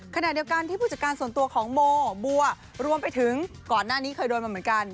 ขณะเดียวกันที่ผู้จัดการส่วนตัวของโมบัวรวมไปถึงก่อนหน้านี้เคยโดนมาเหมือนกัน